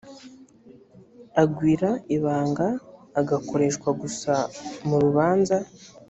agirwa ibanga agakoreshwa gusa murubanza